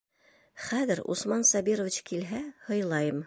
Хәҙер Усман Сабирович килһә, һыйлайым...